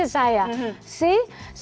mami melakukan mom shaming